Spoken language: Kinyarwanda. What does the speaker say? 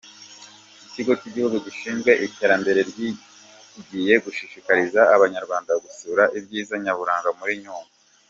Ikigo Kigihugu Gishinzwe Iterambere Kigiye gushishikariza Abanyarwanda gusura ibyiza nyaburanga Muri Nyungwe